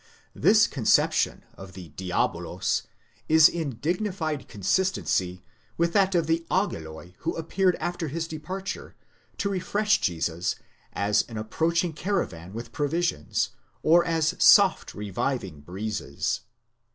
This conception of the διάβολος is in dignified consistency with that of the ἄγγελοι, who appeared after his departure, to refresh Jesus, as an approaching caravan with provisions, or as soft reviving breezes."